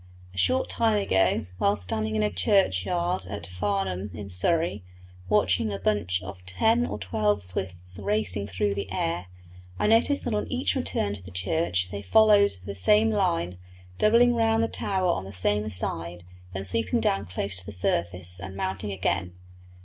A short time ago, while standing in the churchyard at Farnham, in Surrey, watching a bunch of ten or twelve swifts racing through the air, I noticed that on each return to the church they followed the same line, doubling round the tower on the same side, then sweeping down close to the surface, and mounting again.